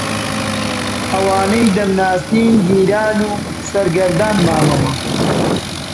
ئەوانەی دەمناسین گیران و سەرگەردان مامەوە